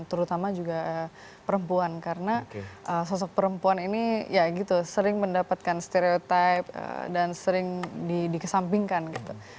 terutama juga perempuan karena sosok perempuan ini ya gitu sering mendapatkan stereotype dan sering dikesampingkan gitu